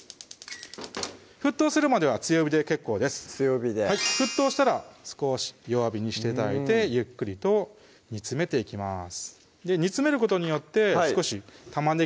沸騰するまでは強火で結構です強火で沸騰したら少し弱火にして頂いてゆっくりと煮つめていきます